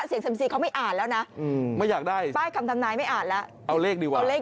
ไม่พี่ก็มันมีด้ายหลักร